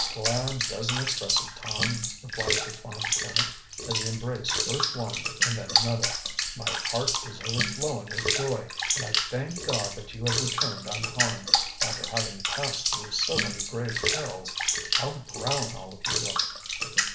"Glad doesn't express it, Tom," replied the fond parent, as he embraced first one and then another. "My heart is overflowing with joy, and I thank God that you have returned unharmed, after having passed through so many grave perils. How brown all of you look!"